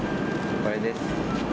これです。